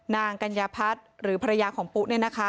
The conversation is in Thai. นางกัญญาพัฒน์หรือภรรยาของปู้